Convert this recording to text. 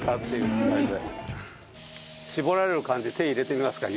搾られる感じ手入れてみますか？